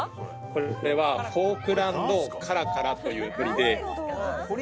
これはフォークランドカラカラという鳥で鳥？